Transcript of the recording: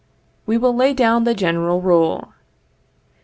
We will lay down the general rule.